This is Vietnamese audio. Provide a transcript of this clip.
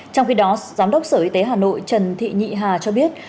trong khi đó giám đốc sở y tế hà nội trần thị nhị hà cho biết